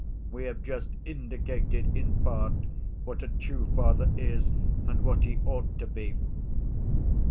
We have just indicated in part what a true father is and what he ought to be.